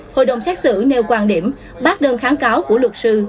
hội đồng xét xử nêu quan điểm bác đơn kháng cáo của luật sư